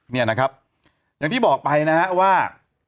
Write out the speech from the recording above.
เนี่ยนะครับอย่างที่บอกไปนะฮะว่า